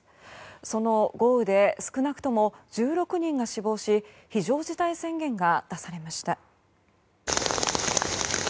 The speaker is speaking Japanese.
その豪雨で少なくとも１６人が死亡し非常事態宣言が出されました。